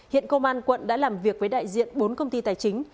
hiện công an quận đã làm việc với đại diện bốn công ty tài chính